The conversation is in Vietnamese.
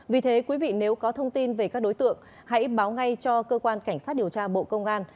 vì thế quý vị nếu có thông tin về các đối tượng hãy báo ngay cho cơ quan cảnh sát điều tra bộ công an